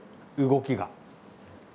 動きが。